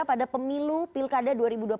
pada pemilu pilkada dua ribu dua puluh